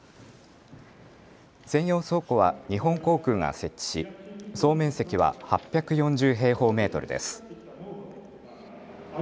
専用倉庫は日本航空が設置し総面積は８４０平方メートルです。